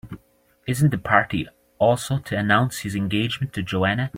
Isn't the party also to announce his engagement to Joanna?